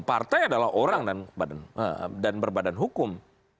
partai adalah orang dan berbadan hukum